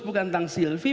bukan tentang sylvie